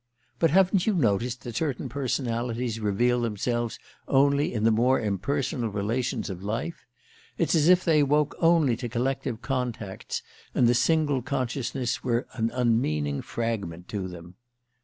But haven't you noticed that certain personalities reveal themselves only in the more impersonal relations of life? It's as if they woke only to collective contacts, and the single consciousness were an unmeaning fragment to them.